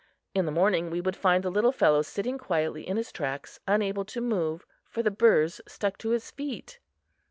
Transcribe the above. In the morning, we would find the little fellow sitting quietly in his tracks, unable to move, for the burrs stuck to his feet.